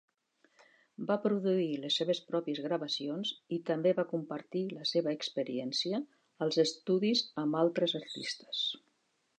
Va produir les seves pròpies gravacions i també va compartir la seva experiència als estudis amb altres artistes.